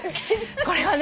これはね。